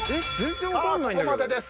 さあここまでです。